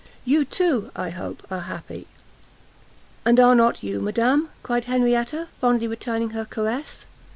you, too, I hope are happy!" "And are not you, madam?" cried Henrietta, fondly returning her caress.